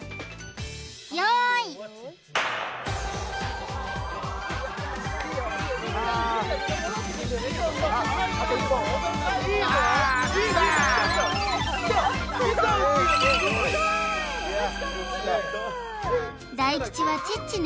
用意大吉はチッチね